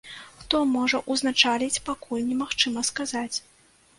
Хто можа ўзначаліць пакуль не магчыма сказаць.